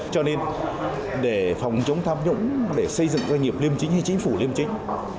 cho nên để phòng chống tham nhũng để xây dựng doanh nghiệp liêm chính hay chính phủ liêm chính